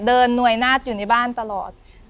หน่วยนาฏอยู่ในบ้านตลอด